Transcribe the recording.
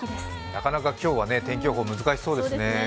なかなか今日は天気予報難しそうですね。